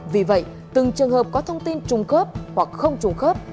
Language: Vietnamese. vì vậy từng trường hợp có thông tin trung khớp hoặc không trùng khớp